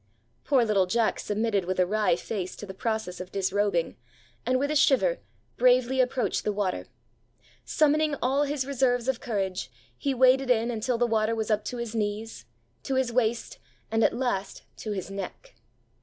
Poor little Jack submitted with a wry face to the process of disrobing, and, with a shiver, bravely approached the water. Summoning all his reserves of courage, he waded in until the water was up to his knees, to his waist, and at last to his neck.